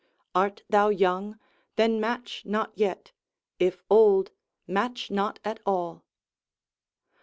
Art thou young? then match not yet; if old, match not at all.